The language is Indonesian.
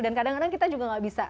dan kadang kadang kita juga gak bisa